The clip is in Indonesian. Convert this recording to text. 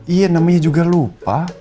iya namanya juga lupa